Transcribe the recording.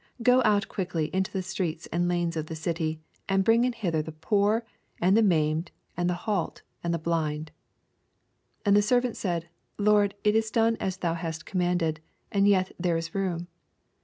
Go out quickly into the streets and lanes of the city, and bring in hither the poor, and the maimed, and the halt, and tne bliad. 22 And the servant said, Lord, it is doue as thou bast commanded, and yet there is room.